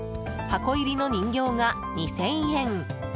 箱入りの人形が２０００円。